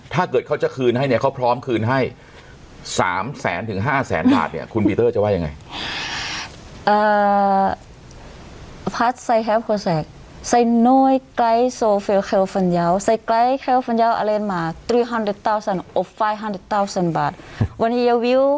ถ้าเกิดเขาจะคืนให้เนี่ยเขาพร้อมคืนให้สามแสนถึงห้าแสนบาทเนี่ย